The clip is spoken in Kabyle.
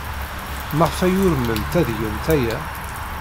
Maɣef ay urment ad gent aya?